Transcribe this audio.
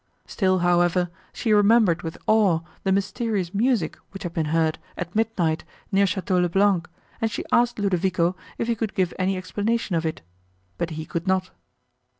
Still, however, she remembered with awe the mysterious music, which had been heard, at midnight, near Château le Blanc, and she asked Ludovico if he could give any explanation of it; but he could not.